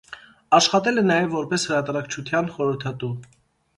Աշխատել է նաև որպես հրատարակչության խորհրդատու։